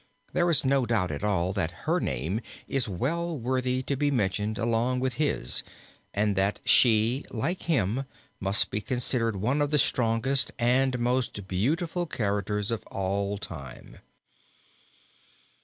There is no doubt at all that her name is well worthy to be mentioned along with his and that she, like him, must be considered one of the strongest and most beautiful characters of all time.